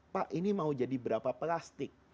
pak ini mau jadi berapa plastik